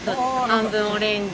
半分オレンジ。